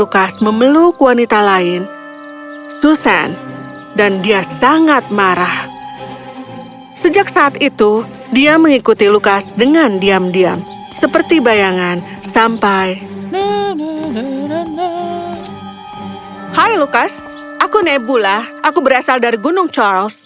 kerajaan yang sangat jauh